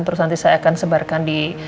terus nanti saya akan sebarkan di